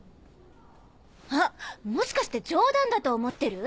あっもしかして冗談だと思ってる？